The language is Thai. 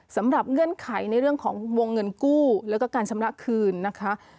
เงื่อนไขในเรื่องของวงเงินกู้แล้วก็การชำระคืนนะคะ